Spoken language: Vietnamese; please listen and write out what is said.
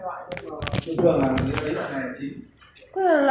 thế là loại này với loại kia thì khác hình nhau ạ